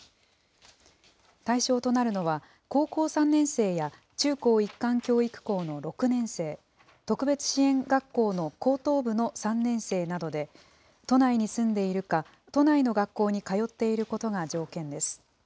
対象となるのは、高校３年生や中高一貫教育校の６年生、特別支援学校の高等部の３年生などで、都内に住んでいるか、都内の学校に通っていることが条件です。